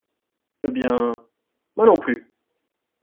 Eh bien, moi non plus !